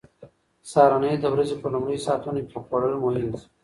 سهارنۍ د ورځې په لومړیو ساعتونو کې خوړل مهم دي.